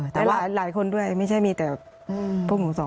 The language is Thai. แต่หลายคนด้วยไม่ใช่มีแต่พวกหมูสอง